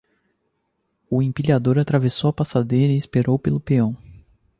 O empilhador atravessou a passadeira e esperou pelo peão.